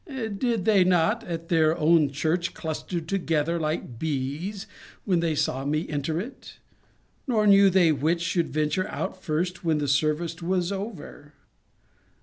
Did they not, at their own church, cluster together like bees, when they saw me enter it? Nor knew they which should venture out first, when the service was over.